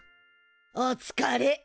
おつかれ。